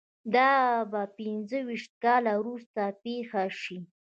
دا به پنځه ویشت کاله وروسته پېښ شي